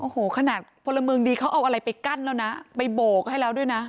โอ้โหขนาดพลเมืองดีเขาเอาอะไรไปกั้นแล้วนะไปโบกให้แล้วด้วยนะ